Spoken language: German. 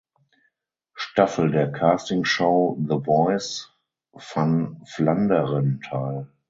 Staffel der Castingshow The Voice van Vlaanderen teil.